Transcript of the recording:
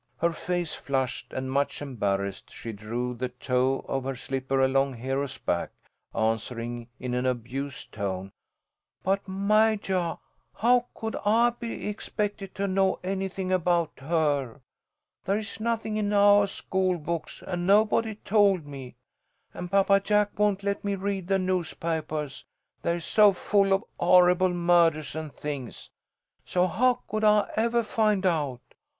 Her face flushed, and much embarrassed, she drew the toe of her slipper along Hero's back, answering, in an abused tone: "But, Majah, how could I be expected to know anything about her? There is nothing in ou' school books, and nobody told me, and Papa Jack won't let me read the newspapahs, they're so full of horrible murdahs and things. So how could I evah find out?